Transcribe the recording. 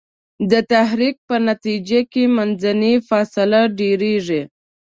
د تحرک په نتیجه کې منځنۍ فاصله ډیریږي.